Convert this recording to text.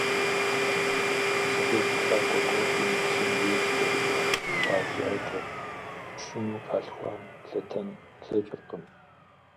Совет тхакӀуэ Горький Максим ейщ цӀэрыӀуэ хъуа жыӀэкӀэр: «Пщыну къалъхуам лъэтэн лъэкӀыркъым».